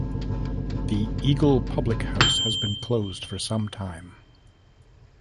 The Eagle public house has been closed for some time.